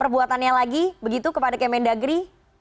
atau buatannya lagi begitu kepada kemendagri